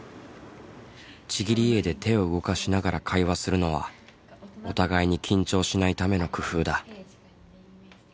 ちぎり絵で手を動かしながら会話するのはお互いに緊張しないための工夫だ。